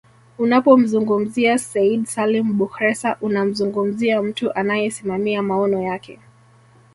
Unapomzungumzia Said Salim Bakhresa unamzungumzia mtu anayesimamia maono yake